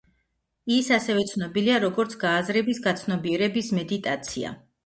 ის ასევე ცნობილია, როგორც გააზრების, გაცნობიერების მედიტაცია.